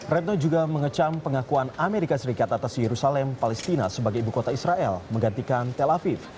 retno juga mengecam pengakuan amerika serikat atas yerusalem palestina sebagai ibu kota israel menggantikan tel aviv